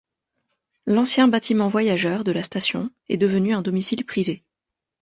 L'ancien bâtiment voyageurs de la station est devenu un domicile privé.